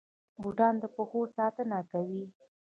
بوټان د پښو ساتنه کوي